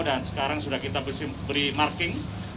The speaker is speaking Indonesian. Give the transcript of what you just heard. dan sekarang sudah kita beri marking